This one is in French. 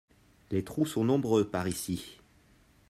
Les trous sont nombreux par ici.